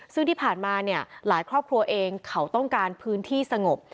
ซึ่งที่ผ่านมาหลายครอบครัวต้องการพื้นที่สงบ